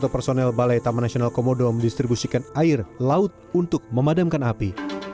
empat puluh satu personil balai taman nasional komodo mendistribusikan air laut untuk memadamkan api